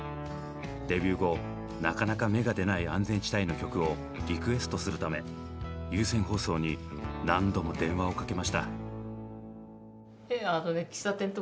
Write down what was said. デビュー後なかなか芽が出ない安全地帯の曲をリクエストするため有線放送に何度も電話をかけました。